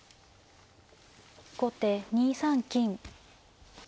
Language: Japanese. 後手２三金。